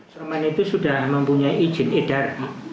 semen itu sudah mempunyai izin edar